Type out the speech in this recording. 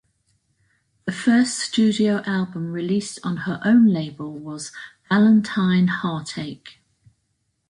The first studio album released on her own label was "Valentine Heartache".